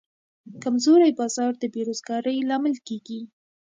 کمزوری بازار د بیروزګارۍ لامل کېږي.